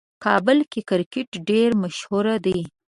کابل کې کرکټ ډېر مشهور دی.